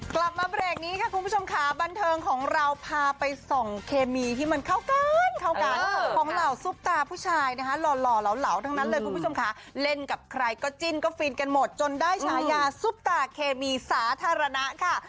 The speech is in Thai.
กลับมาเบรกนี้ค่ะคุณผู้ชมค่ะบันเทิงของเราพาไปส่องเคมีที่มันเข้ากันเข้ากันของเหล่าซุปตาผู้ชายนะคะหล่อเหลาทั้งนั้นเลยคุณผู้ชมค่ะเล่นกับใครก็จิ้นก็ฟินกันหมดจนได้ฉายาซุปตาเคมีสาธารณะค่ะ